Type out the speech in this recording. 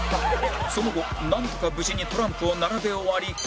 その後なんとか無事にトランプを並べ終わり